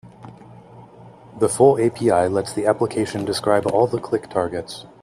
The full API lets the application describe all the click targets.